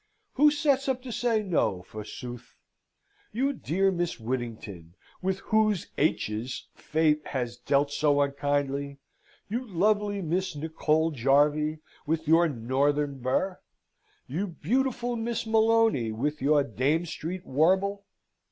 Who sets up to say No, forsooth? You dear Miss Whittington, with whose h's fate has dealt so unkindly? you lovely Miss Nicol Jarvie, with your northern burr? you beautiful Miss Molony, with your Dame Street warble?